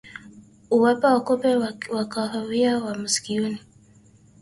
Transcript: Uwepo wa kupe wa kahawia wa masikioni